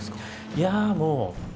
いやもう。